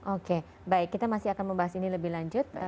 oke baik kita masih akan membahas ini lebih lanjut